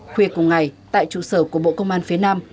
khuya cùng ngày tại trụ sở của bộ công an phía nam